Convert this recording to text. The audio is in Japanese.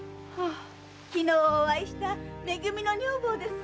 昨日お会いしため組の女房です。